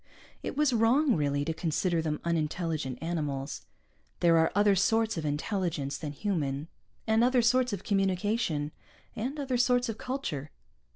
It was wrong, really, to consider them unintelligent animals. There are other sorts of intelligence than human, and other sorts of communication, and other sorts of culture.